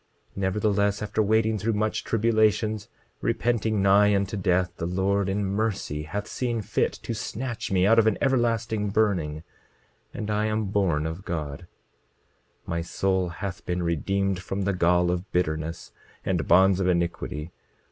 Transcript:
27:28 Nevertheless, after wading through much tribulations, repenting nigh unto death, the Lord in mercy hath seen fit to snatch me out of an everlasting burning, and I am born of God. 27:29 My soul hath been redeemed from the gall of bitterness and bonds of iniquity.